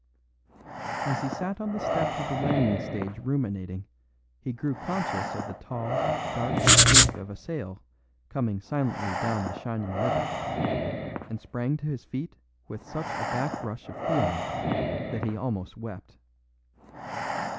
As he sat on the steps of the landing stage ruminating he grew conscious of the tall, dark streak of a sail coming silently down the shining river, and sprang to his feet with such a backrush of feeling that he almost wept.